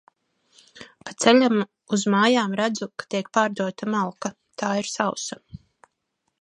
Pa ceļam uz mājām redzu, ka tiek pārdota malka – tā ir sausa.